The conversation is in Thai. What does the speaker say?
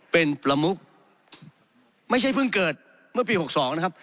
เป็นประมุกไม่ใช่เพิ่งเกิดเมื่อปี๖๒นะครับ